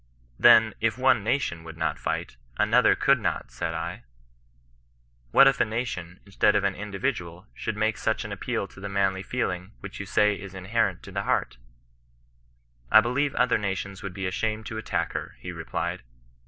^' Then, if one nation HHndd not fight, another could not," said I. << What if a nation, instead of an individual, should make such an appeal to the manly feeling, which you say is inherent in the heart ?"'^ I believe other nations would be ashamed to attack her," he replied.